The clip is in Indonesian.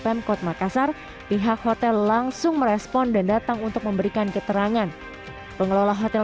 pemkot makassar pihak hotel langsung merespon dan datang untuk memberikan keterangan pengelola hotel